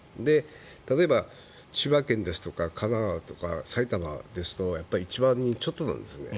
例えば千葉県や神奈川や埼玉ですと１万人ちょっとですね。